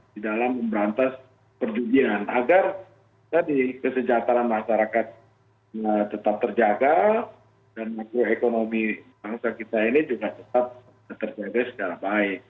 di dalam memberantas perjudian agar tadi kesejahteraan masyarakat tetap terjaga dan makroekonomi bangsa kita ini juga tetap terjaga secara baik